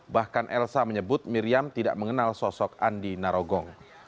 bahkan elsa menyebut miriam tidak mengenal sosok andi narogong